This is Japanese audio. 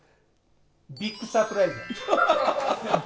ビッグサプライズや。